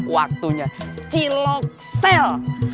waktunya cilok sel